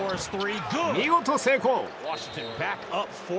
見事、成功！